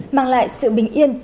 mang lại sự bình yên